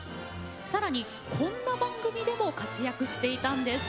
さらに、こんな番組でも活躍していたんです。